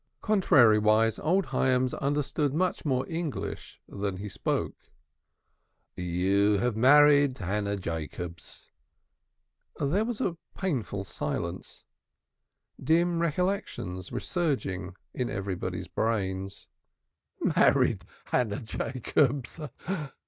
Contrariwise, old Hyams understood much more English than he spoke. "You have married Hannah Jacobs." There was a painful silence, dim recollections surging in everybody's brain. "Married Hannah Jacobs!"